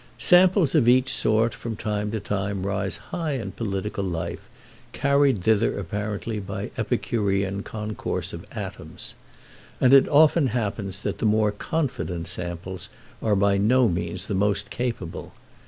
Samples of each sort from time to time rise high in political life, carried thither apparently by Epicurean concourse of atoms; and it often happens that the more confident samples are by no means the most capable.